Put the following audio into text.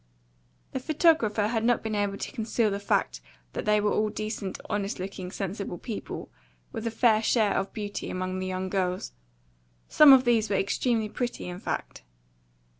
The photographer had not been able to conceal the fact that they were all decent, honest looking, sensible people, with a very fair share of beauty among the young girls; some of these were extremely pretty, in fact.